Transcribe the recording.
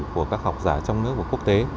của các học giả trong nước và quốc tế